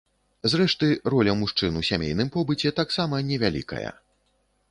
Зрэшты, роля мужчын у сямейным побыце таксама невялікая.